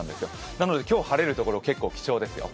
なので今日、晴れる所結構、貴重ですよ。